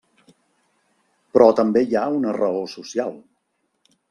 Però també hi ha una raó social.